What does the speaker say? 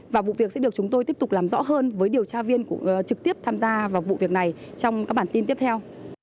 và vụ việc sẽ được chúng tôi tiếp tục làm rõ hơn với điều tra viên trực tiếp tham gia vào vụ việc này trong các bản tin tiếp theo